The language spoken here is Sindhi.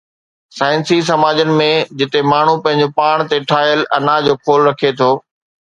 سائنسي سماجن ۾ جتي ماڻهو پنهنجو پاڻ تي ٺاهيل انا جو خول رکي ٿو